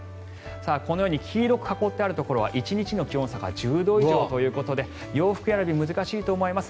このように黄色く囲ってあるところは１日の気温差が１０度以上ということで洋服選び、難しいと思います。